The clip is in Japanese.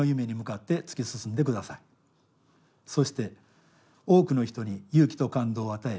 そして多くの人に勇気と感動を与え